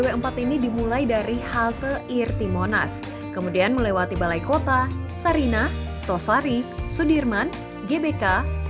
rute kode bus bw empat ini dimulai dari halte irtimonas kemudian melewati balai kota sarina tosari sudirman gbk